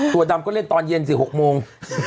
ตัวดำก็เล่นตอนเย็นสิ๖โมง